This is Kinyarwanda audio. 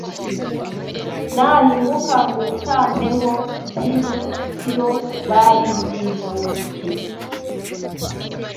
Nahinguka mu Butambeho Bwirukiro bariziguruke